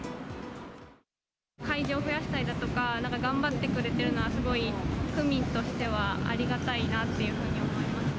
会場増やしたりだとか、頑張ってくれてるのは、すごい区民としてはありがたいなっていうふうに思いますね。